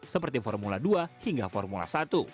seperti formula dua hingga formula satu